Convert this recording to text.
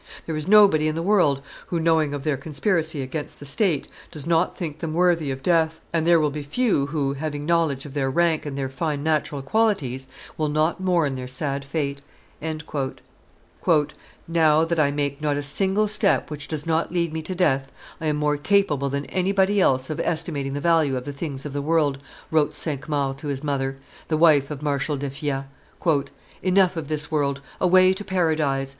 There is nobody in the world who, knowing of their conspiracy against the state, does not think them worthy of death, and there will be few who, having knowledge of their rank and their fine natural qualities, will not mourn their sad fate." [Illustration: Cinq Mars and De Thou going to Execution 215] "Now that I make not a single step which does not lead me to death, I am more capable than anybody else of estimating the value of the things of the world," wrote Cinq Mars to his mother, the wife of Marshal d'Effiat. "Enough of this world; away to Paradise!"